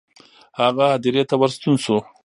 هغه هدیرې ته ورستون شو.